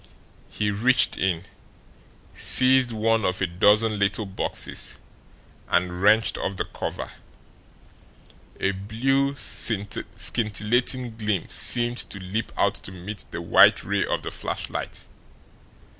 He reached in, seized one of a dozen little boxes, and wrenched off the cover. A blue, scintillating gleam seemed to leap out to meet the white ray of the flashlight.